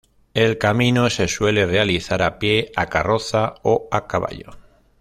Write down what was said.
El camino, se suele realizar a pie, a carroza o a caballo.